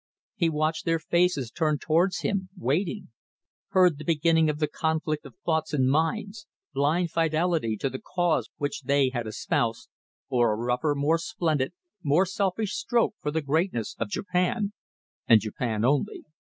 He watched their faces turned towards him, waiting; heard the beginning of the conflict of thoughts and minds blind fidelity to the cause which they had espoused, or a rougher, more splendid, more selfish stroke for the greatness of Japan and Japan only.